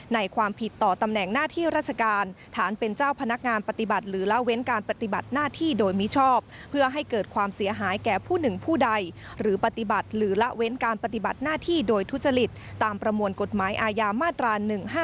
ในความผิดต่อตำแหน่งหน้าที่ราชการฐานเป็นเจ้าพนักงานปฏิบัติหรือละเว้นการปฏิบัติหน้าที่โดยมิชอบเพื่อให้เกิดความเสียหายแก่ผู้หนึ่งผู้ใดหรือปฏิบัติหรือละเว้นการปฏิบัติหน้าที่โดยทุจริตตามประมวลกฎหมายอาญามาตรา๑๕